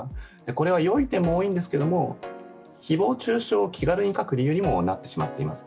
これは良い点も多いんですけど誹謗中傷を気軽に書く理由にもなっています。